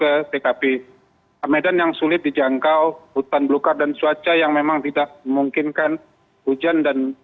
jadi kemudian yang sulit dijangkau hutan belukar dan suaca yang memang tidak memungkinkan